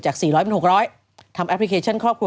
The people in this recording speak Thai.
๔๐๐เป็น๖๐๐ทำแอปพลิเคชันครอบครัว